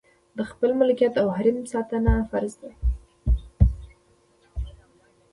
د خپل ملکیت او حریم ساتنه فرض ده.